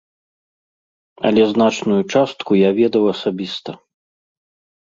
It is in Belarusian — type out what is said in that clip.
Але значную частку я ведаў асабіста.